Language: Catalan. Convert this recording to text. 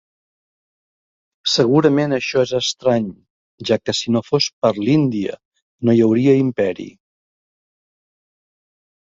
"Segurament això és estrany, ja que si no fos per l'Índia no hi hauria imperi."